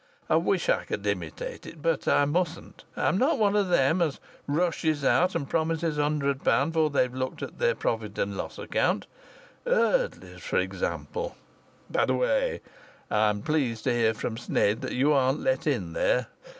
I wish I could imitate it. But I mustn't. I'm not one o' them as rushes out and promises a hundred pound before they've looked at their profit and loss account. Eardleys, for example. By the way, I'm pleased to hear from Sneyd that you aren't let in there.